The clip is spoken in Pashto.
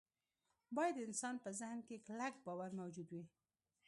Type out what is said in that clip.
باید د انسان په ذهن کې کلک باور موجود وي